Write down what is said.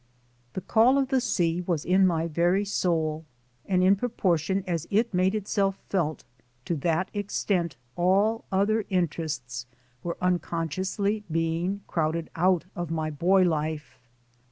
The call of the sea was in my very soul, and in proportion as it made itself felt, to that extent all other interests were unconsciously being crowded out of my boy life.